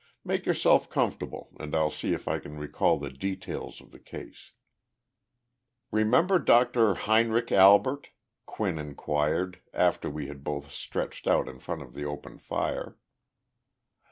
Make yourself comfortable and I'll see if I can recall the details of the case." Remember Dr. Heinrich Albert? [Quinn inquired, after we had both stretched out in front of the open fire].